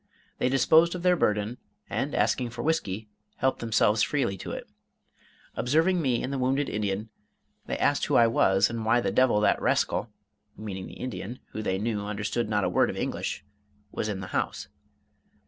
They disposed of their burden, and asking for whisky, helped themselves freely to it. Observing me and the wounded Indian, they asked who I was, and why the devil that rascal (meaning the Indian, who, they knew, understood not a word of English) was in the house.